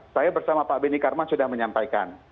saya bersama pak benny karman sudah menyampaikan